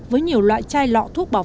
với nhiều loại chai lọ thuốc bảo vệ